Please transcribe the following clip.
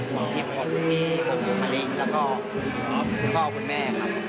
ห่วงพี่ปอล์พี่ปอล์มะลิแล้วก็พี่ปอล์คุณแม่ครับ